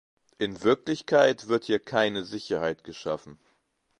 In Wirklichkeit wird hier keine Sicherheit geschaffen.